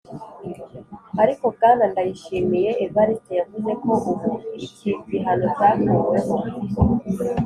ariko Bwana Ndayishimiye Evariste yavuze ko ubu iki gihano cyakuweho.